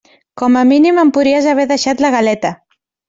Com a mínim em podries haver deixat la galeta.